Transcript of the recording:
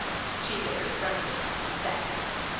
Cheesacre grunted and sat down.